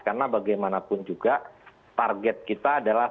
karena bagaimanapun juga target kita adalah